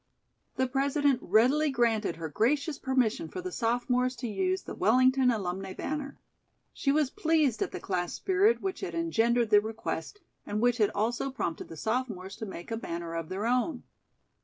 The President readily granted her gracious permission for the sophomores to use the Wellington alumnae banner. She was pleased at the class spirit which had engendered the request and which had also prompted the sophomores to make a banner of their own.